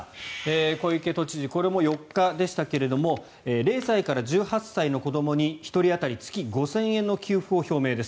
小池都知事これも４日でしたが０歳から１８歳の子どもに１人当たり月５０００円の給付を表明です。